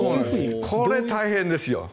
これは大変ですよ。